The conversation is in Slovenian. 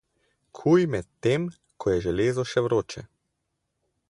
Kuj medtem ko je železo še vroče.